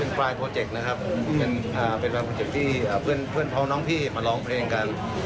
เป็นไฟล์โปรเจกต์ที่เพื่อนพร้อมน้องพี่มาร้องเพลงกัน